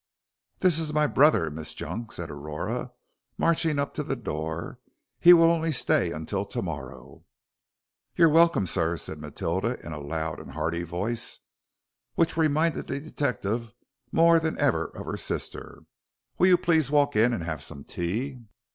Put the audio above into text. "This is my brother, Miss Junk," said Aurora, marching up to the door; "he will only stay until to morrow." "You're welcome, sir," said Matilda in a loud and hearty voice, which reminded the detective more than ever of her sister. "Will you please walk in and 'ave some tea?"